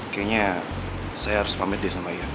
kayaknya saya harus pamit deh sama ia